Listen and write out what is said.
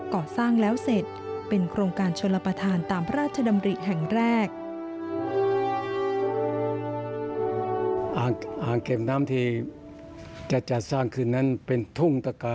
ก่อสร้างแล้วเสร็จเป็นโครงการชนลประธานตามพระราชดำริแห่งแรก